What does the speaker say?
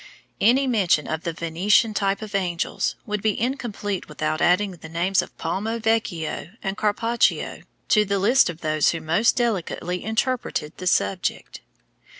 Any mention of the Venetian type of angels would be incomplete without adding the names of Palma Vecchio and Carpaccio to the list of those who most delicately interpreted the subject.